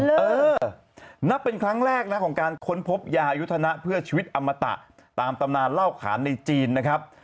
เออนับเป็นครั้งแรกนะของการค้นพบยายุทธนะเพื่อชีวิตอมตะตามตำนานเล่าขานในจีนนะครับ